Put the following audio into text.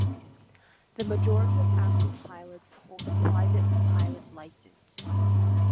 The majority of active pilots hold a Private Pilot license.